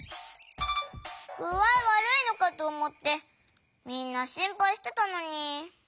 ぐあいわるいのかとおもってみんなしんぱいしてたのに。